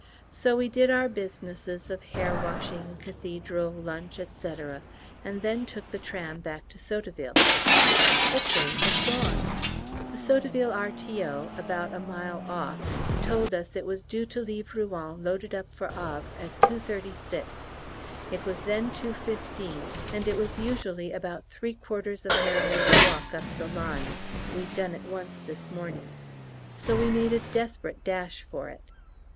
So we did our businesses of hair washing, Cathedral, lunch, &c., and then took the tram back to Sotteville. The train had gone! The Sotteville R.T.O. (about a mile off) told us it was due to leave Rouen loaded up for Havre at 2.36; it was then 2.15, and it was usually about three quarters of an hour's walk up the line (we'd done it once this morning), so we made a desperate dash for it.